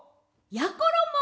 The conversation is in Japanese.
やころも。